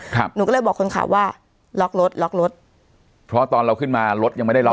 หนูก็เลยบอกคนขับว่าล็อกรถล็อกรถเพราะตอนเราขึ้นมารถยังไม่ได้ล็อก